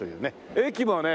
駅もね